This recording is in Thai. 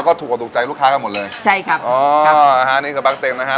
แล้วก็ถูกกับถูกใจลูกค้ากันหมดเลยใช่ครับอ๋ออ่าฮะอันนี้คือบะเต็งนะฮะ